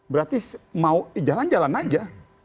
berarti mau jalan jalan aja